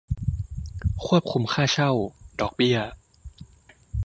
ควบคุมค่าเช่า ดอกเบี้ย